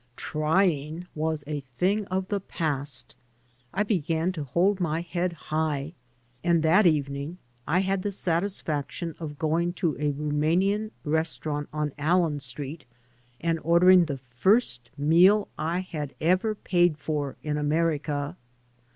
" Try ing" was a thing of the past. I began to hold my head high. And that evening I had the satisfaction of going to a Rumanian restaiu*ant on Allen Street and ordering the first meal I had ever paid for in America.